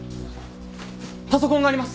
パソコンがあります。